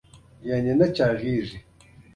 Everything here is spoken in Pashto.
پکورې د ماشومانو په خوښیو اضافه کوي